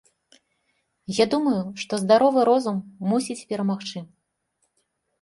Я думаю, што здаровы розум мусіць перамагчы.